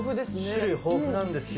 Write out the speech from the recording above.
種類豊富なんですよ。